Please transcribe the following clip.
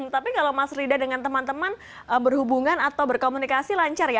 tapi kalau mas rida dengan teman teman berhubungan atau berkomunikasi lancar ya